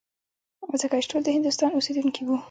ځکه چې ټول د هندوستان اوسېدونکي وو.